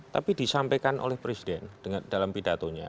tapi disampaikan oleh presiden dalam pidatonya